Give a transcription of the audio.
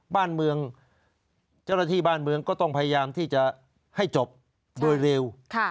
บ้านเมืองเจ้าหน้าที่บ้านเมืองก็ต้องพยายามที่จะให้จบโดยเร็ว